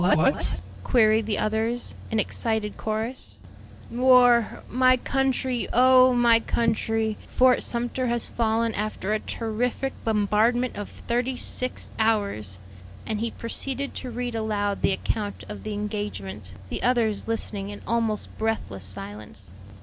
"What?" queried the others, in excited chorus. "War! My country! oh, my country! Fort Sumter has fallen after a terrific bombardment of thirty six hours." And he proceeded to read aloud the account of the engagement, the others listening in almost breathless silence.